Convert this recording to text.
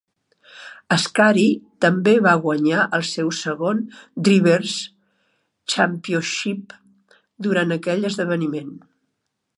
Ascari també va guanyar el seu segon Drivers' Championship durant aquell esdeveniment.